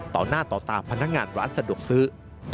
ต่อหน้าต่อตาพนักงานร้านสะดวกซื้อ